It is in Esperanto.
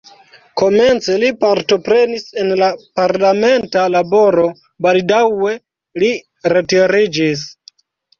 Komence li partoprenis en la parlamenta laboro, baldaŭe li retiriĝis.